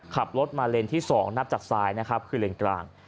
ขับรถมาเลนที่๒นับจากซ้ายนะครับคือเลนกลาง